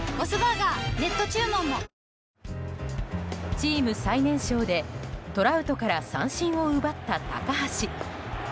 チーム最年少でトラウトから三振を奪った高橋。